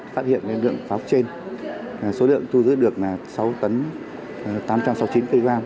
phát hiện lượng pháo trên số lượng thu giữ được là sáu tấn tám trăm sáu mươi chín kg